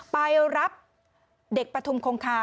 ไปรับเด็กปฐุมคงคา